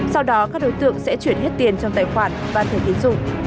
sau đó các đối tượng sẽ chuyển hết tiền trong tài khoản và thể thiết dụng